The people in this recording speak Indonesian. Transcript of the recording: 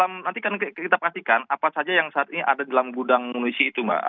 ya nanti kita pastikan apa saja yang saat ini ada di dalam gudang munisi itu pak